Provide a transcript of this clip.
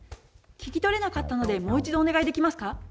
聞き取れなかったのでもう一度お願いできますか？